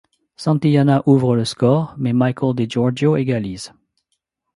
Santillana ouvre le score, mais Michael Degiorgio égalise.